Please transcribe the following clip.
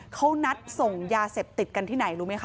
เขานัดส่งยาเสพติดกันที่ไหนรู้ไหมคะ